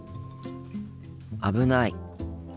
危ない。